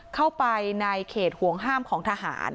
เข้าไปในเขตห่วงห้ามของทหาร